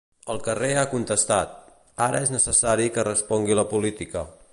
El carrer ha contestat; ara és necessari que respongui la política.